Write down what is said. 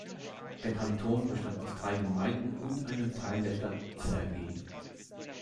Der Kanton bestand aus drei Gemeinden und einem Teil der Stadt Cergy.